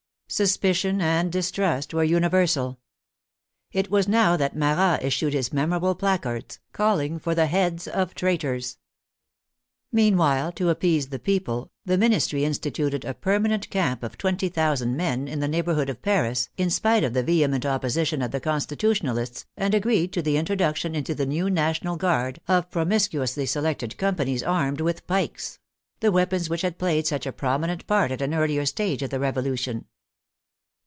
Sus picion and distrust were universal. It was now that Marat issued his memorable placards, calling for the heads of traitors. Meanwhile, to appease the people, the Ministry instituted a permanent camp of 20,000 men in the neighborhood of Paris, in spite of the vehement oppo sition of the Constitutionalists, and agreed to the intro duction into the new National Guard of promiscuously selected companies armed with pikes — the weapons which had played such a prominent part at an earlier stage of the Revolution.